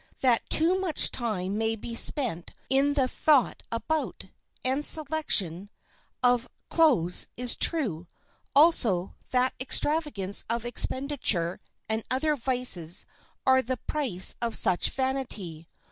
That too much time may be spent in the thought about, and selection of, clothes is true, also that extravagance of expenditure and other vices are the price of such vanity.